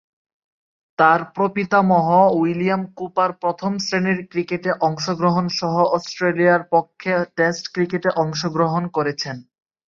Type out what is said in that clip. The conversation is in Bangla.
তার প্রপিতামহ উইলিয়াম কুপার প্রথম-শ্রেণীর ক্রিকেটে অংশগ্রহণসহ অস্ট্রেলিয়ার পক্ষে টেস্ট ক্রিকেটে অংশগ্রহণ করেছেন।